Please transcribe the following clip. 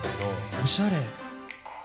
おしゃれ。